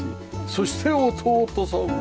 そして弟さんは。